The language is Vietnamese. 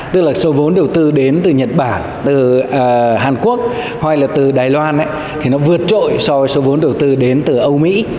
tức là số vốn đầu tư đến từ nhật bản từ hàn quốc hoặc là từ đài loan thì nó vượt trội so với số vốn đầu tư đến từ âu mỹ